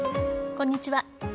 こんにちは。